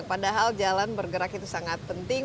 nah yang paling malas jalan bergerak itu sangat penting